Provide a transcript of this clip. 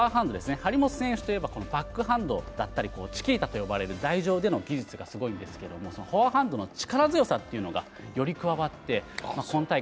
張本選手といえばバックハンドだったりチキータと言われる台上での技術がすごいんですけど、フォアハンドの力強さがより加わって今大会